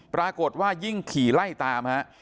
ปรากฏว่ายิ่งขี่ไล่ตามฮะ